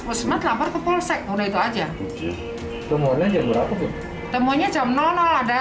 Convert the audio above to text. puskesmas lapor ke polsek udah itu aja temunya jam berapa temunya jam ada